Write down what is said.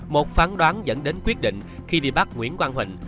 một phán đoán dẫn đến quyết định khi đi bắt nguyễn quang huỳnh